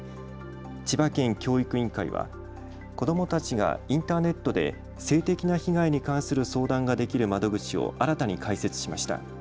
千葉県教育委員会は子どもたちがインターネットで性的な被害に関する相談ができる窓口を新たに開設しました。